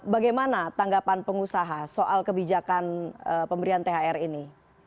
bagaimana tanggapan pengusaha soal kebijakan pemberian thr ini